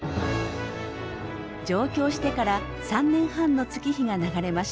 上京してから３年半の月日が流れました。